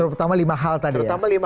terutama lima hal tadi terutama